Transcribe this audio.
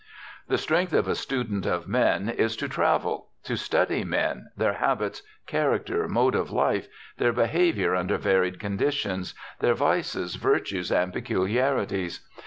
The strength of a student of men is to travel to study men, their habits, character, mode of life, their behavior under varied conditions, their vices, virtues, and peculiarities.